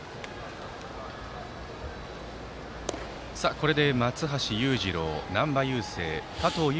これで松橋裕次郎、難波佑聖加藤悠